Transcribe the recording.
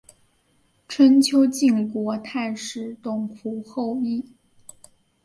春秋晋国太史董狐后裔。